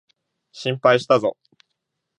心配したぞ。